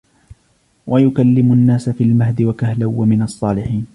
ويكلم الناس في المهد وكهلا ومن الصالحين